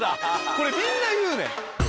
これみんな言うねん。